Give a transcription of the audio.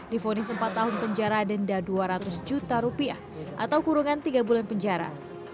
difonis empat tahun penjara denda dua ratus juta rupiah atau kurungan tiga bulan penjara